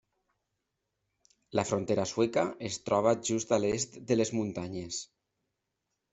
La frontera sueca es troba just a l'est de les muntanyes.